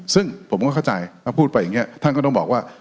ซึ่งผมก็เข้าใจถ้าพูดไปอย่างนี้ท่านก็ต้องบอกว่า